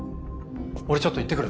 俺ちょっと行ってくる。